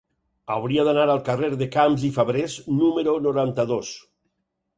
Hauria d'anar al carrer de Camps i Fabrés número noranta-dos.